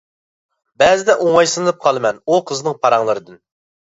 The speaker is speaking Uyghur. بەزىدە ئوڭايسىزلىنىپ قالىمەن، ئۇ قىزنىڭ پاراڭلىرىدىن.